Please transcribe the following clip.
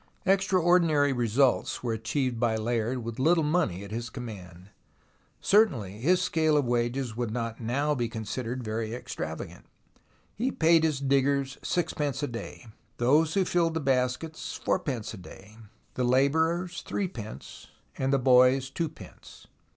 Extraordinary results were achieved by Layard with the little money at his command. Certainly his scale of wages would not now be considered very extravagant. He paid his diggers sixpence a day ; those who filled the baskets fourpence a day, the labourers threepence, and the boys two pence.